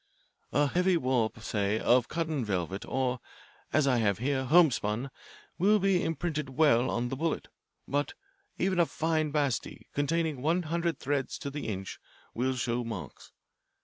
A heavy warp, say of cotton velvet or, as I have here, homespun, will be imprinted well on the bullet, but even a fine batiste, containing one hundred threads to the inch, will show marks.